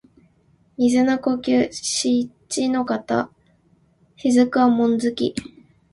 水の呼吸漆ノ型雫波紋突き（しちのかたしずくはもんづき）